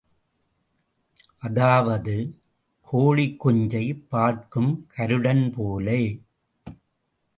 அதாவது கோழிக்குஞ்சைப் பார்க்கும் கருடன் போல.